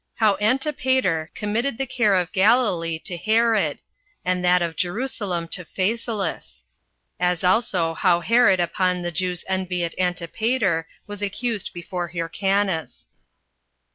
How Antipater Committed The Care Of Galilee To Herod, And That Of Jerusalem To Phasaelus; As Also How Herod Upon The Jews' Envy At Antipater Was Accused Before Hyrcanus.